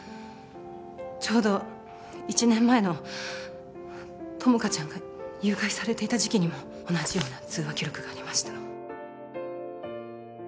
ちょうど１年前の友果ちゃんが誘拐されていた時期にも同じような通話記録がありました